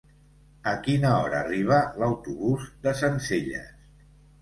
A quina hora arriba l'autobús de Sencelles?